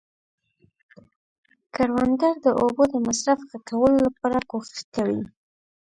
کروندګر د اوبو د مصرف ښه کولو لپاره کوښښ کوي